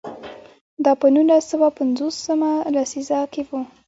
دا په نولس سوه پنځوس مه لسیزه کې و.